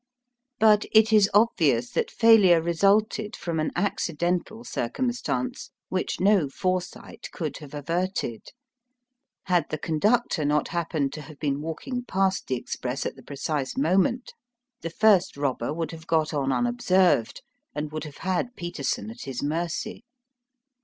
But it is obvious that failure resulted from an accidental circumstance which no foresight could have averted. Had the con ductor not happened to have been walking past the express at the precise moment, the first robber would have got on unobserved, and would have had Peterson at his mercy.